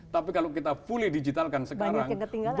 tapi kalau kita fully digitalkan sekarang